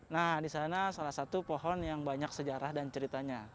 nah di sana salah satu pohon yang banyak sejarah dan ceritanya